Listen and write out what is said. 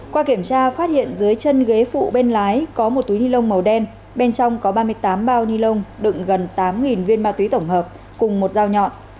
qua kiểm tra phát hiện dưới chân ghế phụ bên lái có một túi ni lông màu đen bên trong có ba mươi tám bao ni lông đựng gần tám viên ma túy tổng hợp cùng một dao nhọn